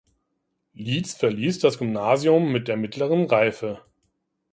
Lietz verließ das Gymnasium mit der Mittleren Reife.